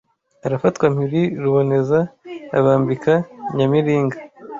Arafatwa mpiri ruboneza abambika Nyamiringa